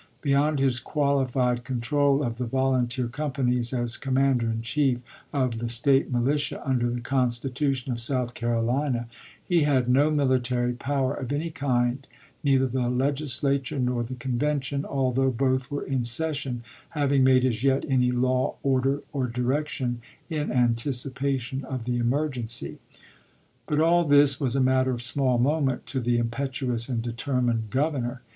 Beyond his qualified control of the volunteer companies as commander in chief of the State militia under the Constitution of South Carolina, he had no military power of any kind, neither the Legislature nor the convention, al though both were in session, having made as yet any law, order, or direction in anticipation of the emergency. But all this was a matter of small moment to the impetuous and determined Governor.